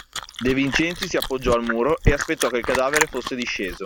De Vincenzi si appoggiò al muro e aspettò che il cadavere fosse disceso.